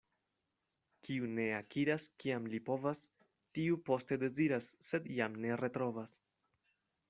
Kiu ne akiras, kiam li povas, tiu poste deziras, sed jam ne retrovas.